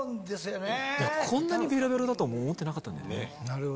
いやこんなにベロベロだとも思ってなかったんだよね。